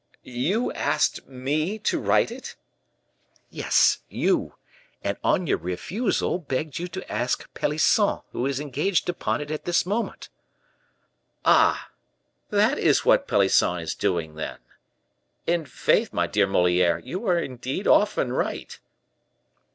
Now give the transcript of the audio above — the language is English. "You asked me to write it?" "Yes, you, and on your refusal begged you to ask Pelisson, who is engaged upon it at this moment." "Ah! that is what Pelisson is doing, then? I'faith, my dear Moliere, you are indeed often right."